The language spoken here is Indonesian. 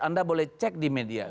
anda boleh cek di media